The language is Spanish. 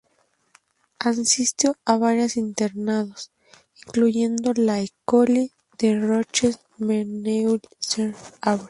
Asistió a varios Internados, incluyendo la École des Roches en Verneuil-sur-Avre.